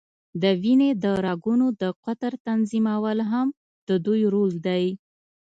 د وینې د رګونو د قطر تنظیمول هم د دوی رول دی.